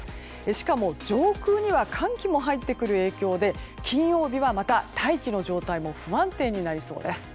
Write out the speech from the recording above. しかも上空には寒気も入ってくる影響で金曜日はまた大気の状態も不安定になりそうです。